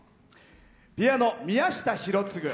ピアノ、宮下博次。